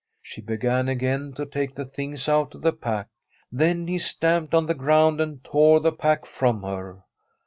She began again to take the things out of the pack. Then he stamped on the ground and tore the pack from her.